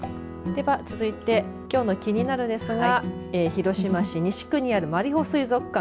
では続いてきょうのキニナル！ですが広島市西区にあるマリホ水族館。